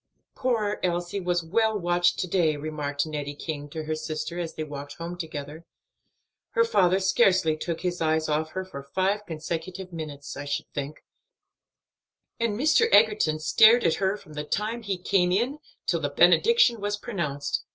"Poor Elsie was well watched to day," remarked Nettie King to her sister as they walked home together; "her father scarcely took his eyes off her for five consecutive minutes, I should think; and Mr. Egerton stared at her from the time he came in till the benediction was pronounced."